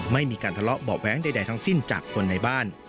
ไม่มีการทะเลาะเบาะแว้งใดทั้งสิ้นจากคนในบ้าน